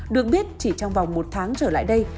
được biết chỉ trong vòng một tháng trở lại đây